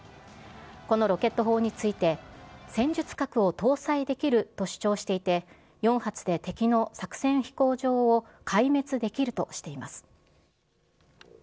このロケット砲について、戦術核を搭載できると主張していて、４発で敵の作戦飛行場を壊滅できるとしています。